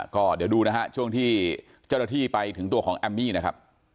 ก็เดี๋ยวดูนะฮะช่วงที่เจ้าหน้าที่ไปถึงตัวของแอมมี่นะครับ